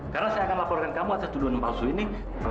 karena saya akan laporkan kamu atas tuduhan palsu ini